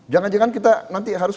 jangan jangan kita nanti harus